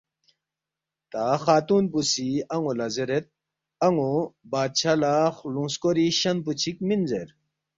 تا خاتون پو سی ان٘و لہ زیرید، ”ان٘و بادشاہ لہ خلُونگ سکوری شین پو چِک مِن زیر